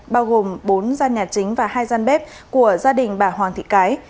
bao gồm bốn gian nhà chính và hai gian bếp của gia đình bà hoàng thị cái